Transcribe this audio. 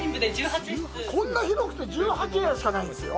こんな広くて１８部屋しかないんですよ。